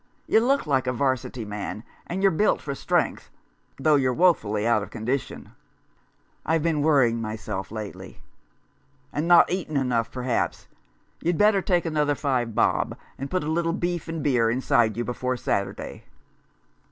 You look like a 'Varsity man, and you're built for strength, though you're wofully out of condition." " I've been worrying myself lately." " And not eating enough, perhaps. You'd better take another five bob, and put a little beef and beer inside you before Saturday."